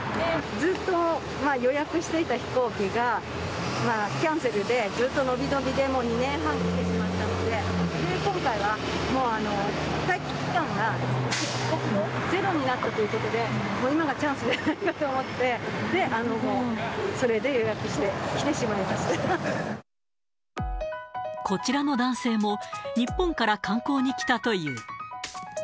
ずっと予約していた飛行機が、キャンセルで、ずっと延び延びで、２年半たってしまったので、今回はもう、待機期間がゼロになったということで、今がチャンスと思って、こちらの男性も、日本から観光に来たという。